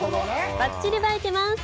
ばっちり映えてます！